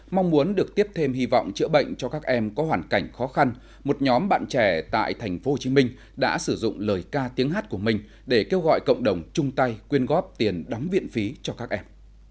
mong muốn được tiếp thêm hy vọng chữa bệnh cho các em có hoàn cảnh khó khăn một nhóm bạn trẻ tại tp hcm đã sử dụng lời ca tiếng hát của mình để kêu gọi cộng đồng chung tay quyên góp tiền đóng viện phí cho các em